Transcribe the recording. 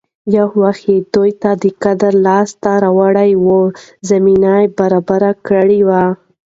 يـو وخـت يـې دوي تـه د قـدرت لاس تـه راوړلـو زمـينـه بـرابـره کـړي وي.